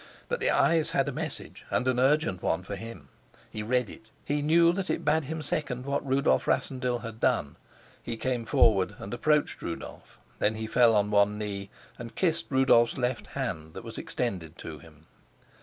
But the eyes had a message, and an urgent one, for him. He read it; he knew that it bade him second what Rudolf Rassendyll had done. He came forward and approached Rudolf; then he fell on one knee, and kissed Rudolf's left hand that was extended to him.